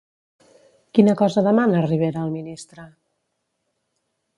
Quina cosa demana Rivera al ministre?